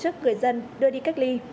giúp các người dân đưa đi cách ly